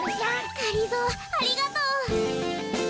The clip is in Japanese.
がりぞーありがとう。